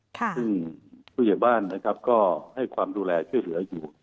ซึ่งผู้ใหญ่บ้านนะครับก็ให้ความดูแลช่วยเหลืออยู่